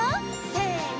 せの！